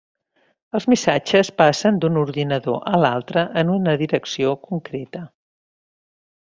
Els missatges passen d'un ordinador a l'altre en una direcció concreta.